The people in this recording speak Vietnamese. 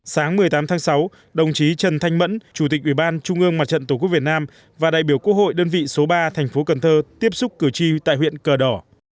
sáng một mươi tám tháng sáu đồng chí trần thanh mẫn chủ tịch ủy ban trung ương mặt trận tổ quốc việt nam và đại biểu quốc hội đơn vị số ba thành phố cần thơ tiếp xúc cử tri tại huyện cờ đỏ